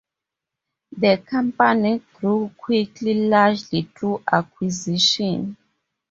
The company grew quickly, largely through acquisition.